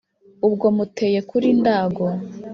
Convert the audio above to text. Ubwo muteye kuri Ndago,